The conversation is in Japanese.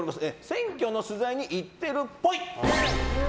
選挙の取材に行ってるっぽい。